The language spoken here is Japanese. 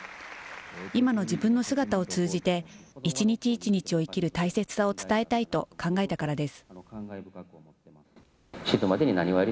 今の自分の姿を通じて、一日一日を生きる大切さを伝えたいと考えたからです。